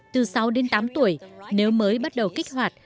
từ sáu đến tám tuổi nếu mới bắt đầu kích hoạt